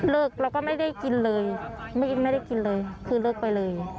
เราก็ไม่ได้กินเลยไม่ได้กินเลยคือเลิกไปเลย